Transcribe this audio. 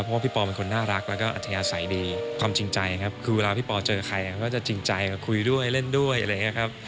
เพราะว่าพี่ปอเป็นคนน่ารักแล้วก็อัธยาศัยดีความจริงใจครับคือเวลาพี่ปอเจอใครก็จะจริงใจคุยด้วยเล่นด้วยอะไรอย่างนี้ครับ